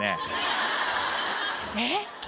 えっ？